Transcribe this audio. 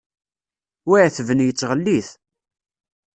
Wi iɛetben yettɣellit.